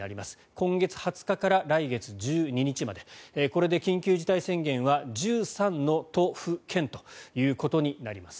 今月２０日から来月１２日までこれで緊急事態宣言は１３の都府県ということになります。